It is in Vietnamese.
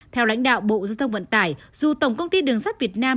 theo lãnh đạo bộ dương tông vận tải dù tổng công ty đường sắt việt nam